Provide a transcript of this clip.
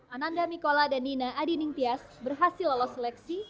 ananda mikola dan nina adiningtyas berhasil lolos seleksi